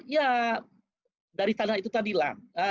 ya dari tanda itu tadilah